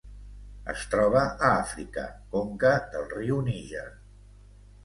Es troba a Àfrica: conca del riu Níger.